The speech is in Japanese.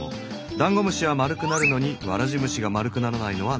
「ダンゴムシは丸くなるのにワラジムシが丸くならないのはなぜですか？」。